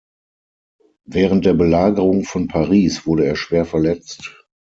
Während der Belagerung von Paris wurde er schwer verletzt.